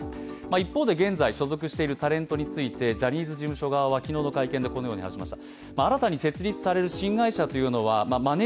一方で現在、所属しているタレントについてジャニーズ事務所側は昨日の会見で、このように話しました。